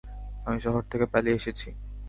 আমরা শহর থেকে পালিয়ে এসেছি।